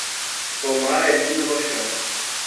O mar é lindo no chão.